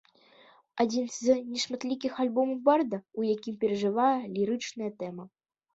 Адзін з нешматлікіх альбомаў барда, у якім пераважае лірычная тэма.